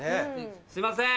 すいません！